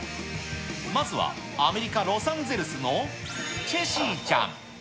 まずはアメリカ・ロサンゼルスのチェシーちゃん。